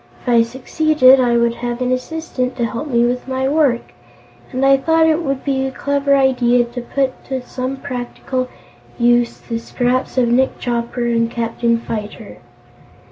If I succeeded, I would have an assistant to help me with my work, and I thought it would be a clever idea to put to some practical use the scraps of Nick Chopper and Captain Fyter.